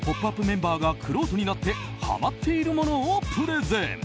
メンバーがくろうとになってハマっているものをプレゼン。